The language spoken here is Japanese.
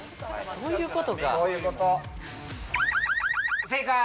そういうこと。